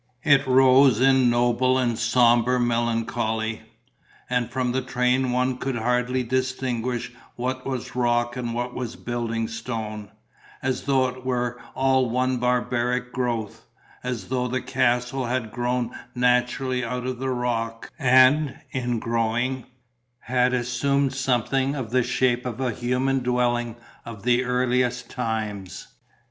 It rose in noble and sombre melancholy; and from the train one could hardly distinguish what was rock and what was building stone, as though it were all one barbaric growth, as though the castle had grown naturally out of the rock and, in growing, had assumed something of the shape of a human dwelling of the earliest times.